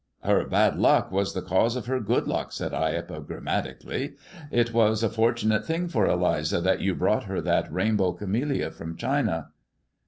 " Her bad luck was the cause of her good luck," said I epigrammatically ;" it was a fortunate thing for Eliza that you brought her that rainbow camellia from China."